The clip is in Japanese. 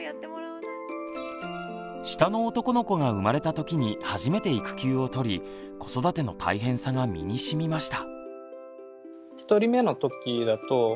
下の男の子が生まれた時に初めて育休をとり子育ての大変さが身にしみました。